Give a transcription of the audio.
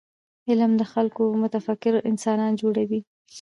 علم له خلکو متفکر انسانان جوړوي.